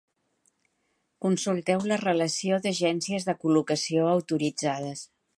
Consulteu la relació d'agències de col·locació autoritzades.